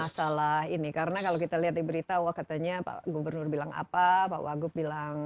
masalah ini karena kalau kita lihat di berita wah katanya pak gubernur bilang apa pak wagub bilang